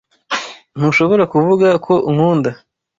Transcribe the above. Ntushobora kuvuga ko unkunda.